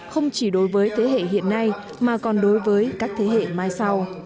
không chỉ đối với thế hệ hiện nay mà còn đối với các thế hệ mai sau